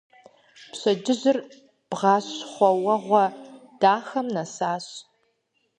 Пщэдджыжьыр бгъащхъуэуэгъуэ дахэм нэсащ.